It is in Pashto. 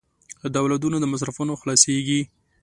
د اولادونو د مصرفونو خلاصېږي.